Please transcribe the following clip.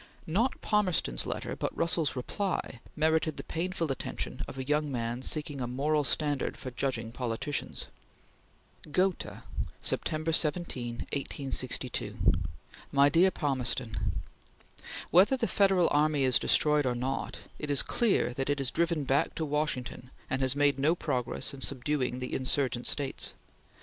Not Palmerston's letter but Russell's reply, merited the painful attention of a young man seeking a moral standard for judging politicians: GOTHA, September, 17, 1862 MY DEAR PALMERSTON: Whether the Federal army is destroyed or not, it is clear that it is driven back to Washington and has made no progress in subduing the insurgent States.